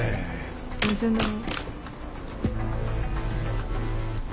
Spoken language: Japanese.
当然だろ。